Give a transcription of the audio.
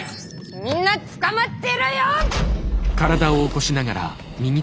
みんなつかまってろよ！